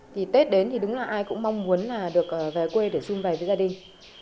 thì tết đến thì đúng là ai cũng mong muốn là được về quê để xung vầy với gia đình